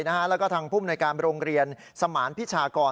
แล้วก็ทางภูมิในการโรงเรียนสมานพิชากร